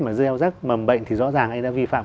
mà rêu rác mầm bệnh thì rõ ràng anh đã vi phạm